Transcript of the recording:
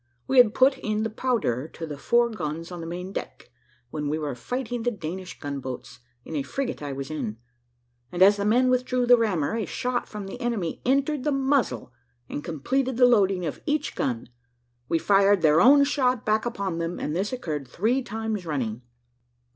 We had put in the powder to the four guns on the main deck, when we were fighting the Danish gun boats, in a frigate I was in; and as the men withdrew the rammer, a shot from the enemy entered the muzzle and completed the loading of each gun. We fired their own shot back upon them, and this occurred three times running."